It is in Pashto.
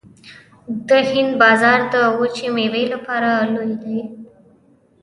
د هند بازار د وچې میوې لپاره لوی دی